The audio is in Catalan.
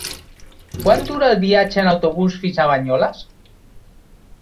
Quant dura el viatge en autobús fins a Banyoles?